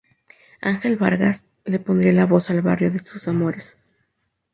Ángel Vargas, le pondría la voz al barrio de sus amores.